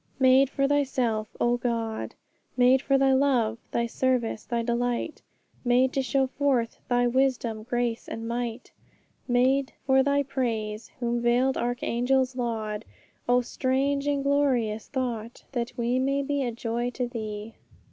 Made for Thyself, O God! Made for Thy love, Thy service, Thy delight; Made to show forth Thy wisdom, grace, and might; Made for Thy praise, whom veiled archangels laud: Oh, strange and glorious thought, that we may be A joy to Thee!